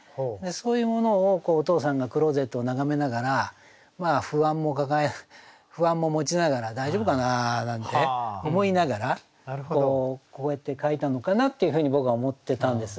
そういうものをお父さんがクローゼットを眺めながら不安も持ちながら「大丈夫かな？」なんて思いながらこうやって書いたのかなっていうふうに僕は思ってたんです。